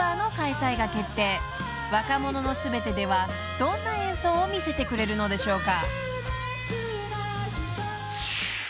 ［若者のすべてではどんな演奏を見せてくれるのでしょうか？］